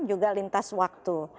juga lintas waktu